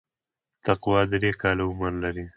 تقوا درې کاله عمر لري.